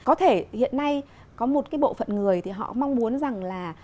có thể hiện nay có một cái bộ phận người thì họ mong muốn rằng là